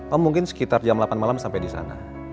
om mungkin sekitar jam delapan malam sampai disana